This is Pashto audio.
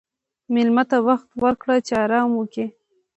مېلمه ته وخت ورکړه چې آرام وکړي.